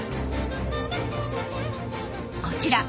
こちら。